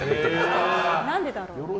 何でだろう。